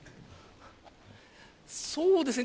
そうですね